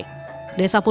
desainnya tidak terlaksana